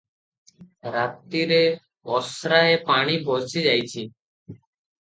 ରାତିରେ ଅସ୍ରାଏ ପାଣି ବର୍ଷିଯାଇଛି ।